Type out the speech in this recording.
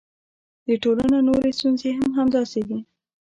د ټولنو نورې ستونزې هم همداسې دي.